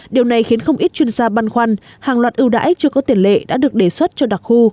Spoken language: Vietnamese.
điều này khiến không ít chuyên gia băn khoăn hàng loạt ưu đãi chưa có tiền lệ đã được đề xuất cho đặc khu